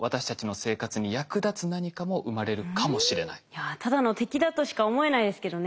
いやただの敵だとしか思えないですけどね。